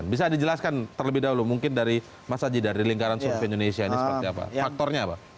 bisa dijelaskan terlebih dahulu mungkin dari mas aji dari lingkaran survei indonesia ini seperti apa faktornya apa